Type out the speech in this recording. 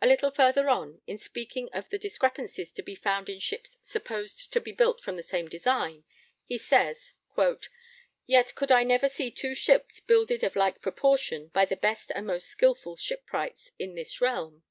A little further on, in speaking of the discrepancies to be found in ships supposed to be built from the same design, he says: Yet could I never see two ships builded of like proportion by the best and most skilful shipwrights in this realm